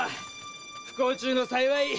不幸中の幸い。